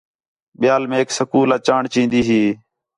ٻِیال میک سکول آ چاݨ چین٘دی ہی